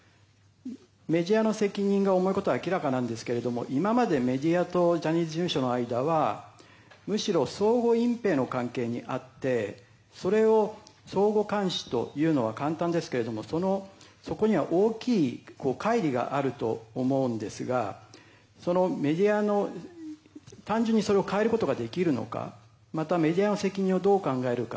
メディアの責任が重いことは明らかなんですけれども今までメディアとジャニーズ事務所の間はむしろ相互隠ぺいの関係にあってそれを相互監視と言うのは簡単ですけれどもそこには大きい乖離があると思うんですがメディアは単純にそれを変えることができるのかまた、メディアの責任をどう考えるか。